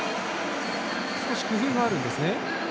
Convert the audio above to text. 少し工夫があるんですね。